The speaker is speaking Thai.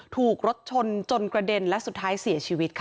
ถูกรถชนจนกระเด็นและสุดท้ายเสียชีวิตค่ะ